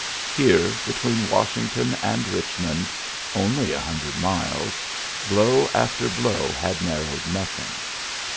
Here, between Washington and Bichmond — only a hundred miles — blow after blow had narrowed nothing.